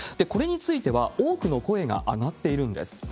これについては多くの声が上がっているんです。